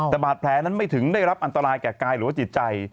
แต่บาดแผลนั้นไม่ถึงได้รับอันตรายแก่กายหรือว่าจิตใจ